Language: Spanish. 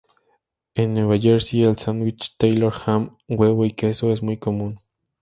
En Nueva Jersey, el sándwich "Taylor ham", huevo y queso es muy común.